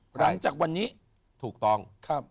หลังจากวันนี้ถูกต้อง